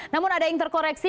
namun ada yang terkoreksi